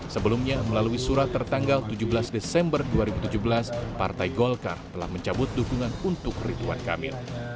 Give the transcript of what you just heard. sebelumnya melalui surat tertanggal tujuh belas desember dua ribu tujuh belas partai golkar telah mencabut dukungan untuk ridwan kamil